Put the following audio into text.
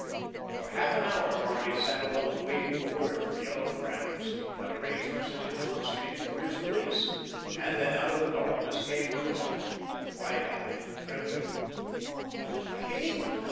For half an hour Barney sat alone waiting for word from Yellow Franz that arrangements had been consummated for his release, and then out of the darkness came Rudolph, wide eyed and trembling. "Oh, my king?"